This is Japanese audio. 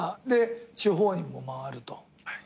で地方にも回ると。